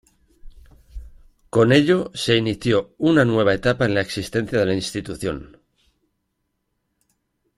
Con ello se inició una nueva etapa en la existencia de la institución.